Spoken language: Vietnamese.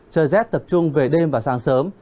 trời rét tập trung về đêm và sáng sớm